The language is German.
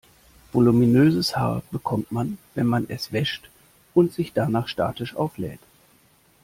Voluminöses Haar bekommt man, wenn man es wäscht und sich danach statisch auflädt.